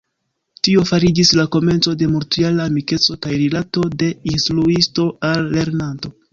Tio fariĝis la komenco de multjara amikeco kaj rilato de instruisto al lernanto.